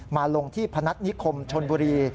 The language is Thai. มาลงที่พนัฐนิคมชนบุรี